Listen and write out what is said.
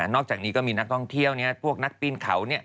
อกจากนี้ก็มีนักท่องเที่ยวพวกนักปีนเขา